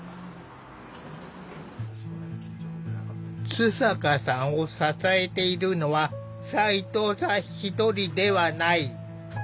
津坂さんを支えているのは斉藤さん１人ではない。